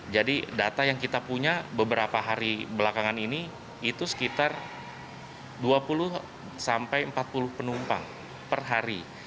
jadi data yang kita punya beberapa hari belakangan ini itu sekitar dua puluh empat puluh penumpang per hari